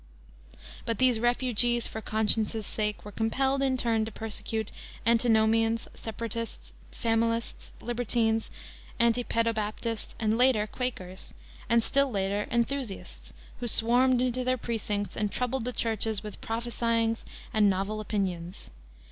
But these refugees for conscience' sake were compelled in turn to persecute Antinomians, Separatists, Familists, Libertines, Anti pedobaptists, and later, Quakers, and still later, Enthusiasts, who swarmed into their precincts and troubled the Churches with "prophesyings" and novel opinions.